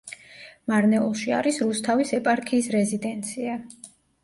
მარნეულში არის რუსთავის ეპარქიის რეზიდენცია.